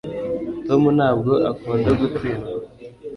tom ntabwo akunda gutsindwa